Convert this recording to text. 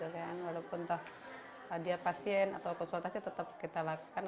walaupun dia pasien atau konsultasi tetap kita lakukan